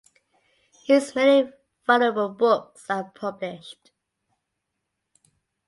His many valuable books are published.